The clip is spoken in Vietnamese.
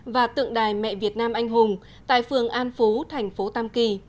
và tượng đài mẹ việt nam anh hùng tại phường an phú thành phố tam kỳ